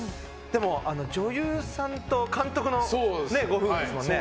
女優さんと監督のご夫婦ですよね。